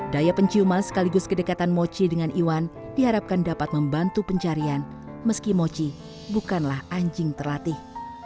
daya penciuman sekaligus kedekatan mochi dengan iwan diharapkan dapat membantu pencarian meski mochi bukanlah anjing terlatih